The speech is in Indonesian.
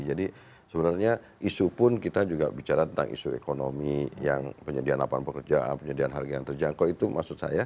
jadi sebenarnya isu pun kita juga bicara tentang isu ekonomi yang penyediaan lapangan pekerjaan penyediaan harga yang terjangkau itu maksud saya